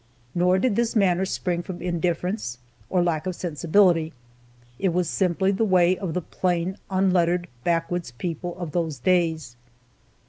Nor did this manner spring from indifference, or lack of sensibility; it was simply the way of the plain unlettered backwoods people of those days.